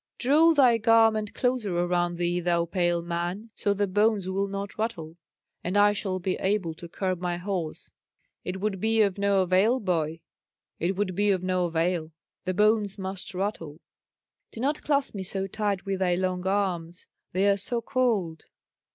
"Draw thy garment closer around thee, thou pale man, so the bones will not rattle, and I shall be able to curb my horse." "It would be of no avail, boy; it would be of no avail. The bones must rattle." "Do not clasp me so tight with thy long arms, they are so cold."